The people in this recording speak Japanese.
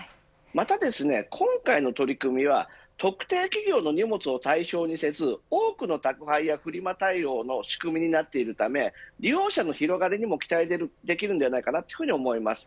また今回の取り組みは特定企業の荷物を対象にせず多くの宅配やフリマ対応の仕組みになっているため利用者の広がりにも期待できるのではないかと思います。